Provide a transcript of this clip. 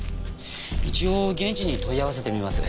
一応現地に問い合わせてみます。